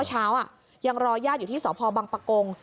เช้าอ่ะยังรอย่าดอยู่ที่สพบังปะโกง